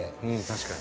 確かに。